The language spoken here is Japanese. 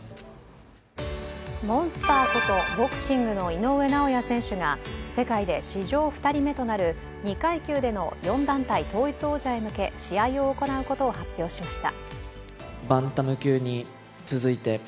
モンスターこと、ボクシングの井上尚弥選手が世界で史上２人目となる２階級での４団体統一王者へ向け試合を行うことを発表しました。